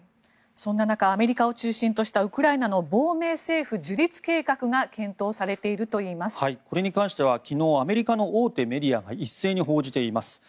そんな中アメリカを中心としたウクライナの亡命政権の樹立計画がこれに関しては昨日アメリカの大手メディアが一斉に報じています。